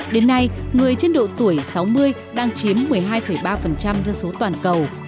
đến nay người trên độ tuổi sáu mươi đang chiếm một mươi hai ba dân số toàn cầu